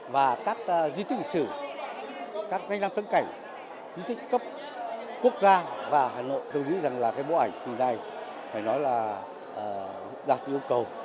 và các di tích lịch sử các danh lam thắng cảnh di tích cấp quốc gia và hà nội tôi nghĩ rằng là cái bộ ảnh từ này phải nói là đạt yêu cầu